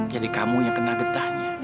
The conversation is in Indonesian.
jadi kamu yang kena getahnya